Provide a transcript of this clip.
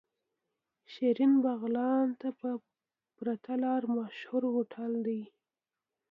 شيرين بغلان ته په پرته لاره مشهور هوټل دی.